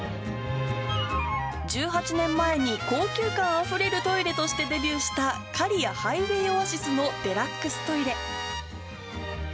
１８年前に高級感あふれるトイレとしてデビューした、刈谷ハイウェイオアシスのデラックストイレ。